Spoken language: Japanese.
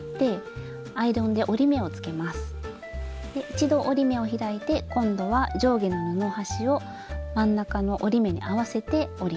一度折り目を開いて今度は上下の布端を真ん中の折り目に合わせて折ります。